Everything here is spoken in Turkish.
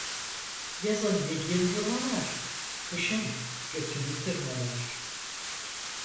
Yazın yediğin hurmalar kışın götünü tırmalar.